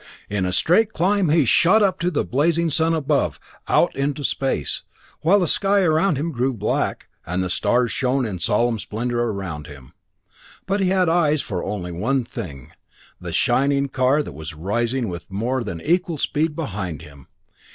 In a straight climb he shot up to the blazing sun above, out into space, while the sky around him grew black, and the stars shone in solemn splendor around him. But he had eyes for only one thing, the shining car that was rising with more than equal speed behind him.